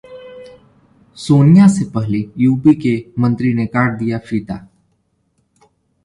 सोनिया से पहले यूपी के मंत्री ने काट दिया फीता